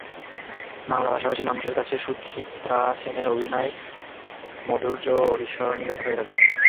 বাংলা ভাষাভাষী মানুষের কাছে সুচিত্রা সেনের অভিনয় মাধুর্য অবিস্মরণীয়ই থেকে যাবে।